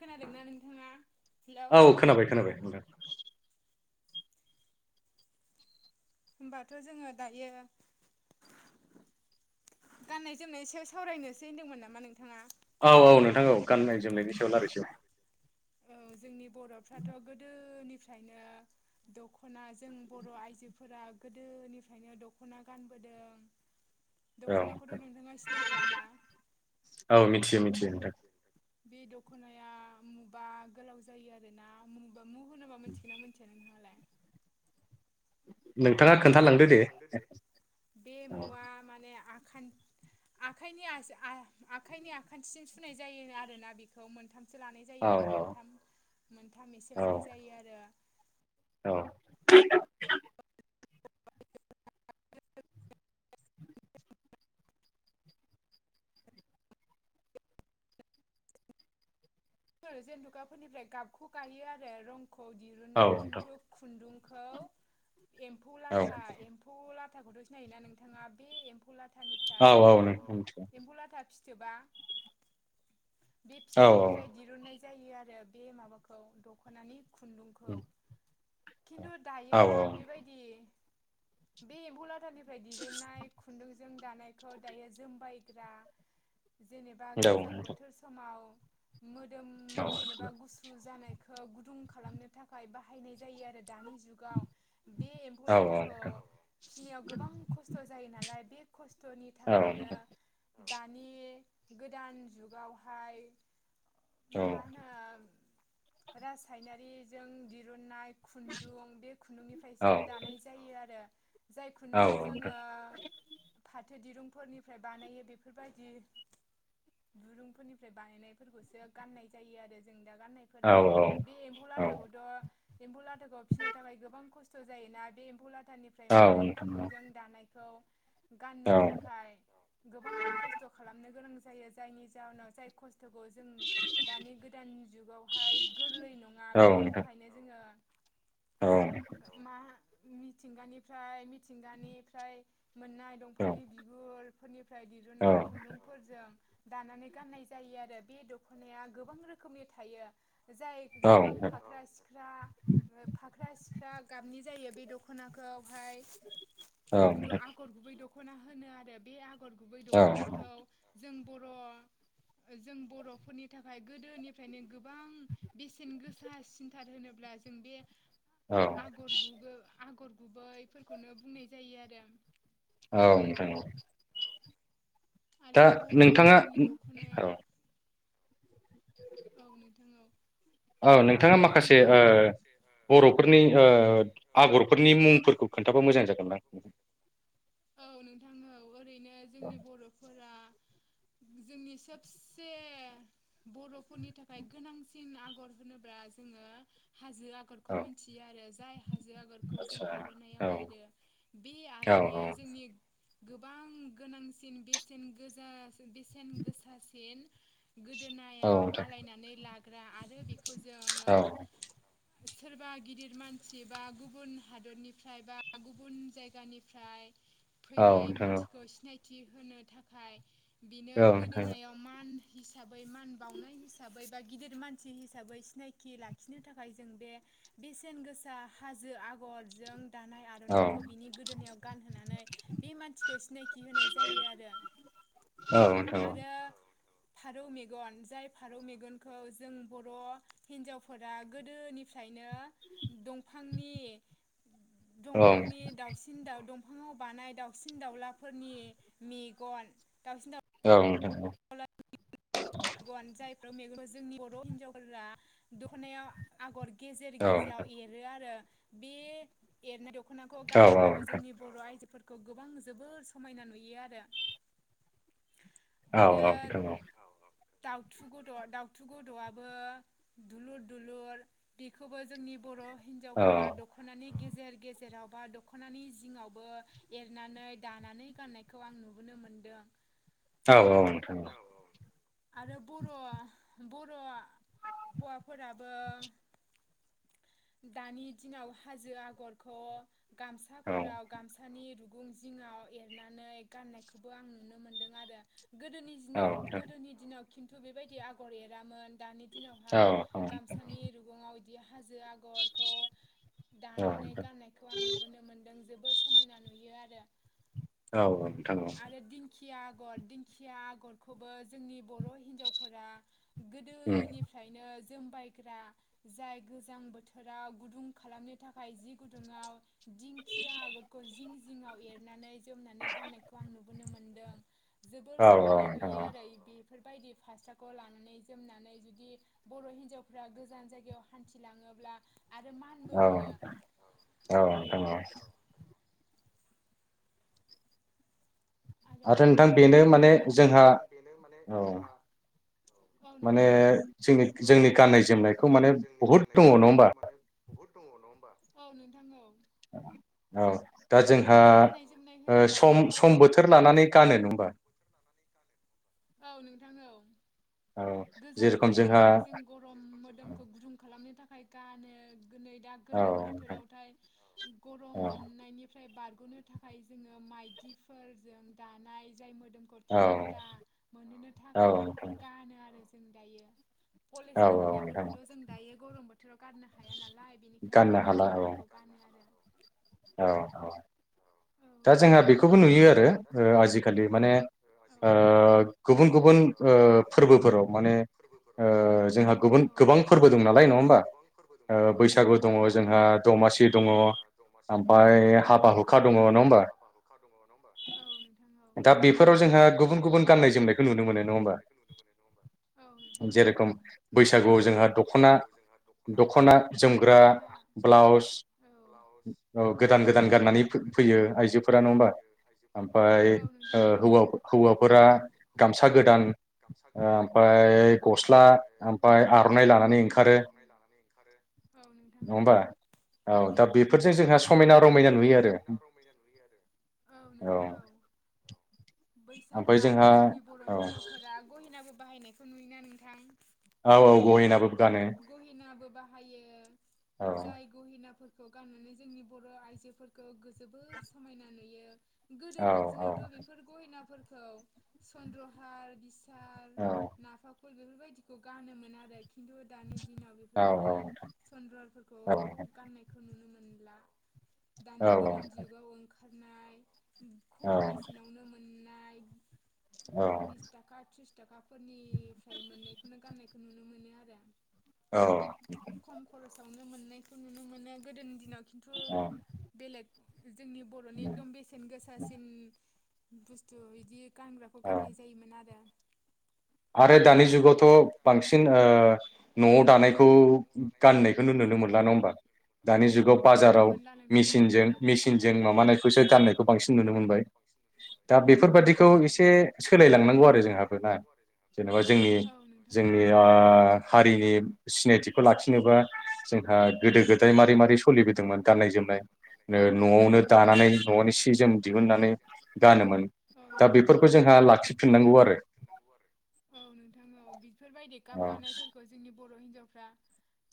खोनादोंना नोंथाङा? हेलौ औ खोनाबाय खोनाबाय नोथां। होमबाथ' जोङो दायो [inaudible] गाननाय जोमनाय सायाव सावरायनोसै होनदोंमोन नामा नों औ औ नोंथां औ गाननाय जोमनायनि सायाव लारायसै औ जोंनि बर'फ्राथ' गोदोनि फ्रायनो दख'ना जों बर' आइजोफोरा गोदोनिफ्रायनो दख'ना गानबो दों। औ दख'नाखौथ' नोंथां नोंथाङा सिनायखायोना? औ मिथियो मिथियो नोंथां [unintelligible] बे दख'नाया मुबा गोलाव जायो आरो ना मु मु होनोबा मोनथिगोना मोनथिया नोंथाङालाय? नोंथाङा खोन्थालांदो दे। [unintelligible] औ आखाइनि आखायनि आस आ आखायनि आखान्थिजों सुनाय जायो आरोना बेखौ मोनथाम से लानाय जायो औ आरो मोनथाम मोनथाम एसे औ लानाय जायो आरो [inaudible] जेन्थकाफोरनिफ्राय गाबखौ गायो आरो रंखौ दिरहुनो औ नोंथां खिन्थु खुन्दुं खौ एम्फौ औ लाथा एम्फौ लाथाखौथ' सिनायो ना नोंथाङा बे एम्फौ एम्फौ औ लाथानिफ्राय औ नोंथां मिथिगौ [unintelligible] एम्फौ लाथा फिथोबा औ औ। गुननाय जायो आरो बे माबाखौ दख'नानि खुन्दुंखौ। खिन्थु दायो औ बेबायदि बे एम्फौलाथानि फ्राय दिरुनाय खुन्दुंजों दानायखौ दायो जोमबायग्रा जेनेबा गोजां औ बोथोर समाव मोदोम जेनेबा गुसु जानायखौ गुदुं खालामनो थाखाय बाहायनाय जायो आरो दानि जुगाव बे एम्फौ लाथाखौ औ औ फिनायाव गोबां खस्थ' जायो नालाय बे खस्थ'नि थाखायनो दानि गोदान जुगावहाय मा होनो रासायनारिजों दिरुन्नाय खुन्दुं बे खुन्दुंनिफ्रायसो दानाय ओ जायो आरो। जाय खुन्दुंखौ जोङो फाथ थो दिरुंफोरनिफ्राय बानायो बेफोरबायदि दुरुंफोरनिफ्राय बानायनाय फोरबोसो गनाय जायो आरो जों दा गाननायफोरा औ बे एम्फौ लाथाखौथ' एम्फौ ला लाथाखौ फिसिनो थाखाय गोबां खस्थ' जायोना बे एम्फौ लाथानिफ्राय मोननाय औ खुन्दुंजों दानायखौ गाननो थाखाय औ गोबां खस्थ' खालामनो गोनां जायो जायनि जाहोनाव जाय खस बस्थ'खौ जों दानि गोदान जुगावहाय गोरलै नङा बिनि थाखायनो जोङो [unintelligible] मा मिथिंगानिफ्राय मिथिंगानिफ्राय मोननाय दंफांनि बिगुरफोरनिफ्राय दिरुननाय खुन्दुंफोरजों दानानै गाननाय जायो आरो बे दख'नाया गोबां रोखोमनि थायो। जाय गोबां फाख्रा सिख्रा फाख्रा सिख्रा गाबनि जायो बे दखनाखौहाय द आगर गुबै दखना होनो आरो बे आ गर गुबै दख'नाखौ जों बर' जों बर'फोरनि थाखाय गोदोनिफ्रायनो गोबां बेसेन गोसा सिन्थार होनोब्ला [inaudible] आगर गुबो आगर गुबैफोरखौनो बुंनाय जायो आरो औ नोंथां औ। आरो दा बर' नोंथाङा जोंनि औ दख'नायाव। औ नोंथां औ। औ नोंथाङा जोंनि माखासे बे [inaudible] बर'फोरनि ओ आगरफोरनि मुंफोरखौ खोन्थाबा मोजां जागोन दां। [inaudible] औ ओरैनो जोंनि बर'फोरा जोंनि सबसे बर' फनि थाखाय गोनांसिन आगर होनोब्ला जोङो। हाजो आगरखौ औ मिथियो आरो जाय हाजो आगरखौ जों आदसा आर'नाइाव औ एरो बे आर' औ औ नाया जोंनि गोबां गोनांसिन बेसेन गोजा बेसेन गोसासिन गोदोना औ नोंथां आलायनानै लाग्रा आरो बेखौ जोंङो औ सोरबा गिदिर मानसि बा गुबुन हादरनिफ्राय बा गुबुन जायगानिफ्राय औ फैनाय नोंथां मानसिखौ सिनायथि होनो थाखाय बिनो औ नोंथां गोदोनायाव मान हिसाबै मान बावनाय हिसै बा गिदिर मानसि हिसाबै सिनायथि लाखिनो थाखाय जों बे बेसेन गोसा हा हाजो आगरजों दानाय औ आर'नाइखौ बिनि गोदोनायाव गानहोनानै बे मानसिखौ सिनायथि होनाय जायो आरो। [inaudible] औ नोंथां औ। थारौ मेगन जाय फारौ मेगनखौ जों बर' हिनजावफोरा गोदोनिफ्रायनो दंफा फांनि औ दंफांनि दाउसिन दाउदं [inaudible] बानाय दाावसिन दाउलाफोरनि मेगन दउसिन दा औ नोंथां [inaudible] मेगन जायफोराव मेगन जोंनि बर' हिन्जावफोरा दख'नायाव आगर गेजेर औ गेजेराव एरो आरो बे एरनाय द ख'नाखौ औ औ नोंथां औ नोंथां औ नोंथां औ नोंथां औ गानोब्लाबो नोंथां जोंनि बर' आइजोफोर खौ गोबां जोबोर समायना नुयो आरो। औ औ आरो [inaudible] औ। दाउथु गुद' दाउथु गद'आबो दुलुर दुलुर बेखौबो जोंनि बर' उम हिन्जावफोरा दख'नानि गेजेर गेजेराव बा दख'नानि जिङावबो एरनानै दानानै गाननायखौ आं नुबोनो मोनदों। औ औ नोंथां औ। आरो बर' बर' हौवाफोराबो। दानि दिनाव हाजो आगरखौ गामसाफोराव गामसानि रु गुं जिङाव एरनानै गाननायखौबो आं नुनो मोनदों आरो। गोदोनि [inaudible] गोदोनि दिनाव खिन्थु बेबायदि आगर एरामोन। दानि दिनावहाय गामसानि रुगुङाव इदि हाजो आगरखौ दानानै गाननायखौ आं नुबोनो मोनदों जोबोर समायना नुयो आरो। औ औ नोंथां औ। किया आगर दिंखिया आगरखौबो जोंनि बर' हिनजावफोरा गोदोनिफ्रायनो जोमबायग्रा जाय गोजां बोथोराव गुदुं खालामनो थाखाय जि गुदुंआव दिंखिया आगरखौ जिं जिङआव एरनानै जोमनानै गाननायखौ आं नुबोनो मोनदों। जोबोर औ समायना नोंथां नुयो औ आरो बे बेफोरबायदि फास्राखौ लानानै जोमनानै जुदि बर' हिनजावफ्रा गोजान जायगायाव हान्थिलाङो अब्ला औ औ द। आरो नोंथां बेनो माने दखनायाथ' जोंहा बेनो माने औ जोंहा माने जोंनि जोंनि गाननाय जोमनायखौ माने बहुद दङ नङा होमबा? हुद दङ नङा हबा औ नोंथां। औ दा जोंहा गाननाय जोमनाय होनोब्लाथ' सम समबोथोर औ बेखोर लानानै गानो नं आ होबा? औ नोंथां औ! गोजां जेरेखम जोंहा बोथोरावहाय जों गरम मोदोमखौ गुदुं खालामनो थाखाय गानो दिनै दा औ गोलोम बोथोरावथाय औ गरम मोननायनिफ्राय बार गग'नो थाखाय जोङो माइदिफोरजों दानाय जाय मोदोमखौ थान्दा औ मोननो औ थाखाय नोंथां गानो आरो जों दायो। औ औ नोंथां पलिस्टारनिफोरखौथ' जों दायो गरम बोथोराव गारनो हाया नालाय बेनिखायनो गाननो हाला औ माइदिनिफोरखौ गानो। आरो औ औ। औ दा जोंहा नोंथां बेखौबो नुयो आरो आजिखालि माने गुबुन गुबुन फोरबोफोराव माने जोंहा गुबुन गोबां फोरबो दं नालाय नङ गोबां फोरबो दं नालाय नङा होनबी? औ नोंथाङ जोंहा बैसागु दमासि दङ जोंहा दमा ओमफ्राय हाबा हुखा दङ नङा होमबा मफ्राय हाबा हुखा दङ नङा हबा औ नोंथां औ। दा बेफोराव जोंहा गुबुन गुबुन गान्नाय जोमनायखौ नुनो मोनो नङा होमबा। जेरेखम बैसागुआव जोंहा दख'ना दख'ना जोमग्रा ब्लाउस औ गोदान गोदान गाननानै फैयो आइजोफोरा नङा होमबा। ओमफ्राय ओमफ्राय हौवा हौवाफोरा गामसा गोदान गामसा गोदान ओमफ्राय गस्ला ओमफ्राय ओमफ्राय गस्ला आर'नाइ ओमफफ्राय आर'नाइ लानानै ओंखारो नङबा औ दा बेफोरजों जोंहा समायना रमायना नुयो आरो समायना रमायना नुयो आरो। औ नोंथां औ! बैसागु ओमफ्राय आरो जोंहा जोंनि बर' औ हिनजावफोरा गहिनाबो बाहायनायखौ नुयोना नोंथां? औ औ गहेनाबो गानो गहिनाबो बाहायो औ जाय गहिना खौ गाननानै जोंनि बर' आइजोफोरखौ जोबोर समायना नुयो। औ गोदोनि दिनावथ' बेफोर गहेनाफोरखौ सन्द्रहार बि हार औ नाफाल बेफोरबायदिखौ गानोमोन आरो खिन्थु दानि दिनाव बेफोरबायदि औ चनन्द्रारफोरखौ औ गान्नायखौ नुनो मोना नुला दानि औ औ गोदान जुगाव ओंखारनाय औ खम बेसेनावनो मोननाय बिस औ थाखा थ्रिस थाखाफोरनिफ्राय मोनैखौनो गाननायखौ नुनो मोनो आरो आं औ! नुनो मोननायखौ नुनो मोनो गोदोनि दिनाव खिन्थु बेलेग जोंनि बर'नि एकदम बेसेन गोसासिन बुस्थु बिदि बेखौ गाननाय जायोमोन आरो आरो दानि जुगावथ' बांसिन न'आव दानायखौ गाननायखौनो नुनो नो मोनला नाङा होमबा। दानि जुगाव नुनो बाजाराव मोनला नोंथां नुनो मेसिनजों मोनला औ मेसिनजों माबानायखौसो गाननायखौ बांसिन नुनो मोनबाय दा मोनबाय औ बेफोरबादिखौ नोंथां औ एसे सोलायलांनांगौ आरो जोंहफोर ना जेनेबा जोंनि ना औ नोंथां जोंनि औ हारिनि सिनायथिखौ लाखिनोबा जोंहा गोदो गोदायमारि मारै सोलिबोदोंमोन गाननाय जोमनाय नआवनो दानानै ननि सि जोम दिहुननानै गानोमोन, दिहुननानै दा गानोमोन बेफोरखौ जोंहा लाखिफिननांगौ आरो। औ नोंथां औ बेफोरबायदि गाब औ गानायफोरखौ जोंनि बर हिन्जावफ्रा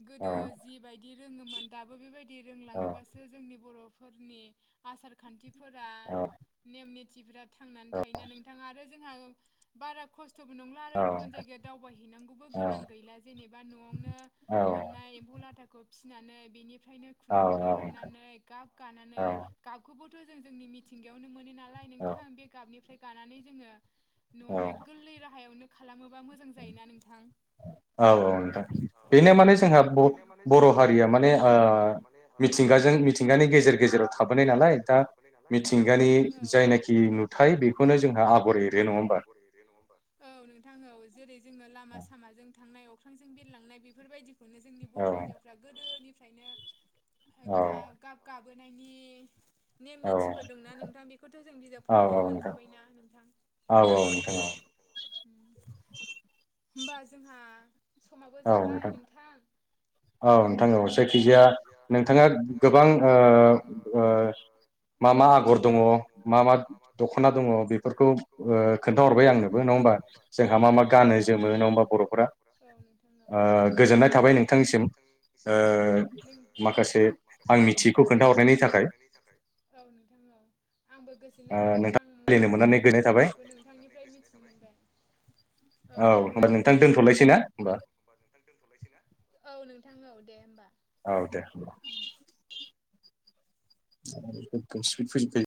गोदो औ जिबायदि रोङोमोन दाबो बेबायदि रोंलाङोबासो जोंनि बर फोरनि आसार-खान्थिफोरा, औ नेम निथिफोरा थांनानै थायोना नोंथाङा आरो जों बारा खस्थ थबो नंला आरो औ गुबुन जायगायाव दावबायहैनांगौबो गोनां गैला जेनोबा नआवनो औ मोननाय लाथाखौ फिसिनानै बेनिफ्रायनो खुन्दुं औ दिरुनानै गाब गानानै औ गाबखौबो थ जों जोंनि मिथिंगायावनो मोनो नालाय औ नोंथां बे गाबनिफ्राय गानानै जोंङो औ न'आवनो गोरलै राहायावनो खालामोबा मोजां जायोना नोंथां? औ औ नोंथां बेनो माने जोंहा ब बर हारिया माने ओ मिथिंगाजों मिथिंगानि गेजेर गेजेराव थाबोनाय नालाय दा मिंगानि नोंथां औ मिथिंगानि जायनाखि जोंहा नुथाय आगर बेखौनो एरो नङा जोंहा होमबा आगर एरो नङा होनबा औ नोंथां औ जेरै जोंनो लामा सामा जों अख्रांजों बिरलांनाय बेफोरबायदिखौनो जोंनि औ बर हिनजावफ्रा गोदोनिफ्रायनो औ गाब गाब गाबोनायनि नेम औ निथिफोर दंना नोंथां बेखौथ जों बिजाब औ फरायनानै मोनखाबायना नोंथां। औ औ नोंथां औ। होमबा जोंहा समाबो औ जाबाय नोंथां औ जायखिजाया नोंथाङा गोबां ओ ओ मा मा आगर दङ मा मा दखना दङ बेफोरखौ ओ खोन्थाहरबाय आंनोबो। नङा होमबा? जोंहा मा मा गानो जोमो नङा होमबा बरफोरा? औ नोंथां ओ औ गोजोननाय थाबाय नोंथांनिसिम ओ ओ आं माखासे मिथियैखौ आं खोन्थाहरनायनि मिथियिखौ थाखाय ओ खोनथाहरनायनि थाखाय। औ नोंथां औ। आंबो गोजोननाय मोन्दों नोंथां आंबो रायलायनो मोननानै माखासे गोजोननाय थाबाय मिथियिखौ नोंथांनिफ्राय मिथिनो मोनबाय। औ होमबा नोंथां दोनथलायसै ना होमबा? औ औ दे नोंथां होमबा। औ दे। उम गोगोम स्पिद फैदों दै